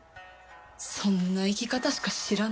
そんな生き方しか知らない。